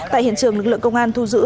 tại hiện trường lực lượng công an thu giữ